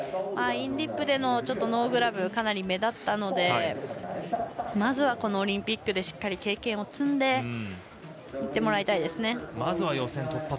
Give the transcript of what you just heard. インリップでのノーグラブがかなり目立ったのでまずはこのオリンピックでしっかり経験を積んでいってもらいたいですね。